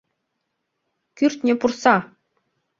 Кӱртньӧ пурса!